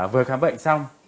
vừa khám bệnh xong